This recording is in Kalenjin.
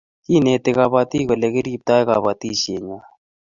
Kineti kabatik ole rptoi batishet ngwai